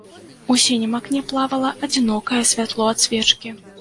У сінім акне плавала адзінокае святло ад свечкі.